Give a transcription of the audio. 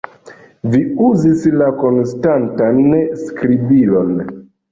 Vi uzis la konstantan skribilon!